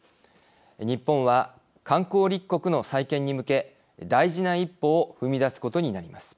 日本は観光立国の再建に向け大事な一歩を踏み出すことになります。